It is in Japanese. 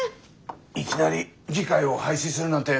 いきなり議会を廃止するなんて